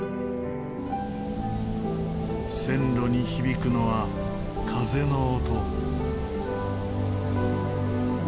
線路に響くのは風の音。